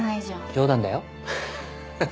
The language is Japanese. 冗談だよ。